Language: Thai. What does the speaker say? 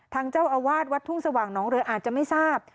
ทางเจ้าอาวาสวัดทุ่งสว่างน้องเรืออาจจะไม่ทราบ